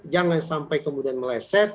jangan sampai kemudian meleset